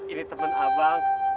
ini temen abang